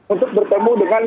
untuk bertemu dengan